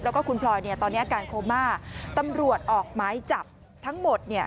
แล้วก็คุณพลอยเนี่ยตอนนี้อาการโคม่าตำรวจออกไม้จับทั้งหมดเนี่ย